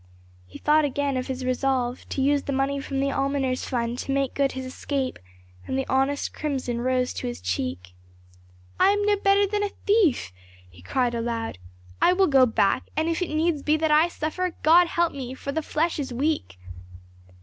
He thought again of his resolve to use the money from the almoner's fund to make good his escape, and the honest crimson rose to his cheek. "I am no better than a thief," he cried aloud. "I will go back; and if it needs be that I suffer, God help me, for the flesh is weak."